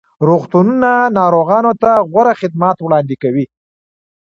روغتونونه ناروغانو ته غوره خدمات وړاندې کوي.